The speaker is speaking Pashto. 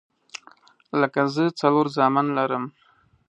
لکه زه څلور زامن لرم